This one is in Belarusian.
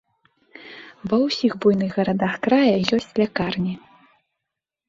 Ва ўсіх буйных гарадах края ёсць лякарні.